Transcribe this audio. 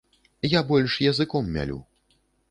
Я больш языком мялю.